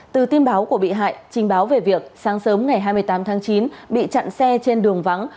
từ tin báo của bị hại trình báo về việc sáng sớm ngày hai mươi tám tháng chín bị chặn xe trên đường vắng